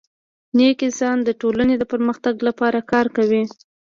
نیک انسان د ټولني د پرمختګ لپاره کار کوي.